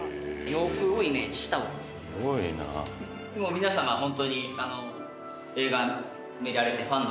皆様ホントに。